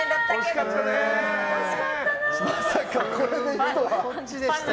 まさかこれがいくとは。